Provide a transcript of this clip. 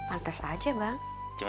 pantes aja bang